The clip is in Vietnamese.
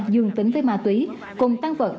dương tính với mà túi cùng tăng vật